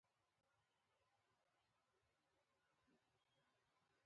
تواب وپوښتل نجلۍ غوږونه ولې پرې کول.